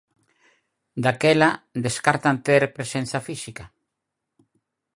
Daquela descartan ter presenza física?